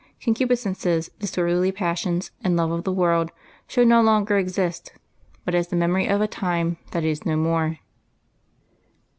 Concupiscences, disorderly passions, and love of the world should no longer exist but as the memory of a time that is no more.